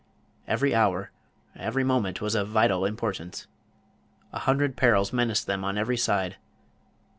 Every hour, every moment, was of vital importance. A hundred perils menaced them on every side.